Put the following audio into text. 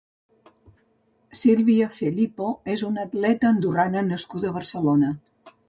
Silvia Felipo és una atleta andorrana nascuda a Barcelona.